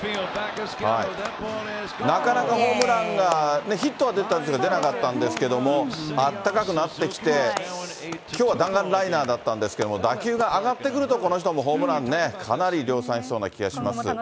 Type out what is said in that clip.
なかなかホームランが、ヒットが出たんですが、出なかったんですけども、暖かくなってきて、きょうは弾丸ライナーだったんですけども、打球が上がってくると、この人もホームランね、かなり量産しそうな気がします。